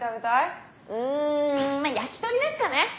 うーんまあ焼き鳥ですかね。